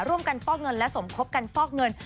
ฟอกเงินและสมคบกันฟอกเงิน